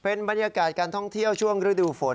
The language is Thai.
เป็นบรรยากาศการท่องเที่ยวช่วงฤดูฝน